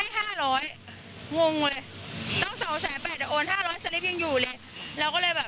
ตัวแทนเองก็รู้สึกผิดว่า